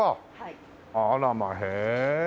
あらまあへえ。